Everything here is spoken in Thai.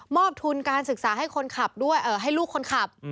มอบทุนการศึกษาให้ลูกคนขับ